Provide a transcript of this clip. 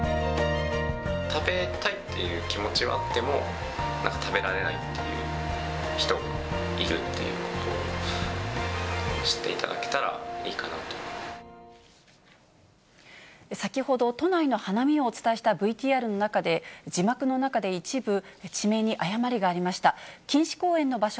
食べたいっていう気持ちがあっても食べられないっていう人がいるということを知っていただけ先ほど、都内の花見をお伝えしたＶＴＲの中で、字幕の中で一部、地名に誤りがありました。